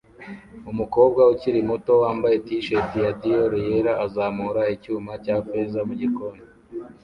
Umukobwa ukiri muto wambaye t-shirt ya Dior yera azamura icyuma cya feza mugikoni